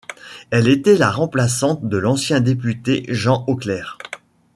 Elle était la remplaçante de l'ancien député Jean Auclair.